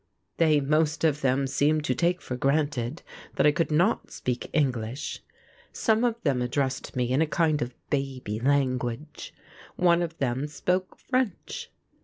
They most of them seemed to take for granted that I could not speak English: some of them addressed me in a kind of baby language; one of them spoke French.